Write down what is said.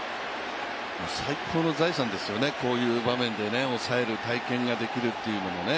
最高の財産ですよね、こういう場面で抑える体験ができるというのもね。